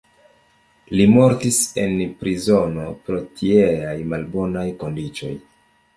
Li mortis en prizono pro tieaj malbonaj kondiĉoj.